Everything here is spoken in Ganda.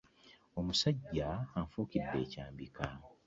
Omusajja anfuukidde ekyambika.